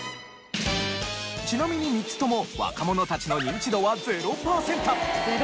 ちなみに３つとも若者たちのニンチドは０パーセント。